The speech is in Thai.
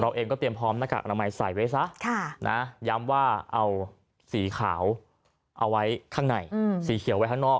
เองก็เตรียมพร้อมหน้ากากอนามัยใส่ไว้ซะย้ำว่าเอาสีขาวเอาไว้ข้างในสีเขียวไว้ข้างนอก